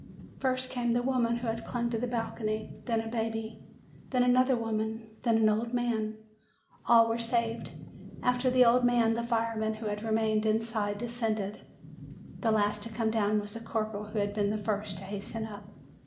"First came the woman who had clung to the bal cony, then a baby, then another woman, then an old man. All were saved. After the old man, the fire men who had remained inside descended. The last to come down was the corporal who had been the first to hasten up.